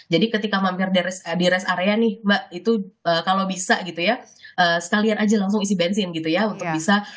jadi ketika mampir di rest area nih mbak itu kalau bisa gitu ya sekalian aja langsung isi bensin gitu ya untuk bisa